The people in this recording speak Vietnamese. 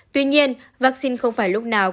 tuy nhiên vaccine không phải lúc nào